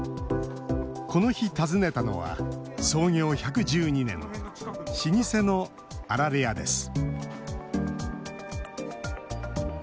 この日、訪ねたのは創業１１２年老舗のあられ屋です。